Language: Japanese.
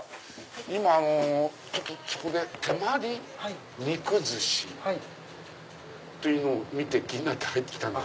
今そこで「手毬肉寿司」というのを見て気になって入って来たんです。